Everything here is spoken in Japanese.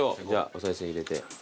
おさい銭入れて。